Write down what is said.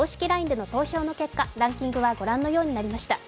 ＬＩＮＥでの投票の結果ランキングはご覧のようになりました。